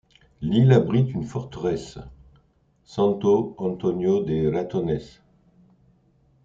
L'île abrite une forteresse, Santo Antônio de Ratones.